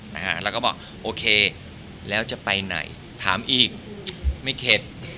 แล้วก็บอกโอเคแล้วจะไปไหนถามอีกไม่เข็ด